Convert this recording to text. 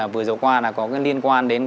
vừa dầu qua là có cái liên quan đến